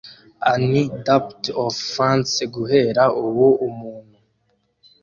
'Un duped of fancy, guhera ubu umuntu